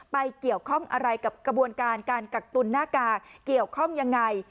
เกี่ยวข้องอะไรกับกระบวนการการกักตุลหน้ากากเกี่ยวข้องยังไง